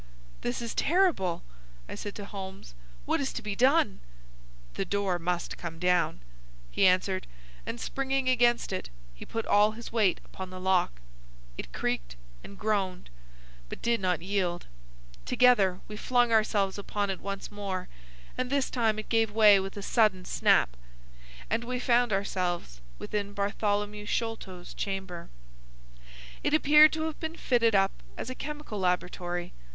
"This is terrible!" I said to Holmes. "What is to be done?" "The door must come down," he answered, and, springing against it, he put all his weight upon the lock. It creaked and groaned, but did not yield. Together we flung ourselves upon it once more, and this time it gave way with a sudden snap, and we found ourselves within Bartholomew Sholto's chamber. It appeared to have been fitted up as a chemical laboratory.